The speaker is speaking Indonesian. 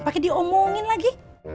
pakai diomongin lagi